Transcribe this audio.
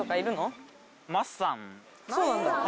そうなんだ。